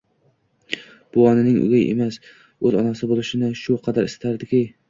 Bu onaning o'gay emas, o'z onasi bo'lishini shu qadar istardiki...